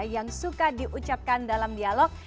yang suka diucapkan dalam dialog